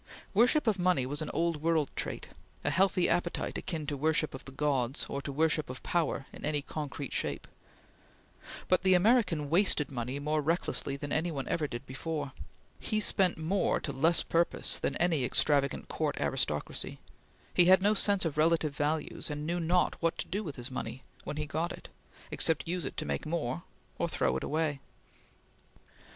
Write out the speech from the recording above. Worship of money was an old world trait; a healthy appetite akin to worship of the Gods, or to worship of power in any concrete shape; but the American wasted money more recklessly than any one ever did before; he spent more to less purpose than any extravagant court aristocracy; he had no sense of relative values, and knew not what to do with his money when he got it, except use it to make more, or throw it away.